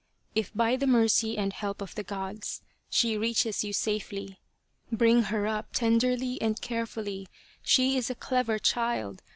If by the mercy and help of the Gods she reaches you safely, bring her up tenderly and carefully. She is a clever child.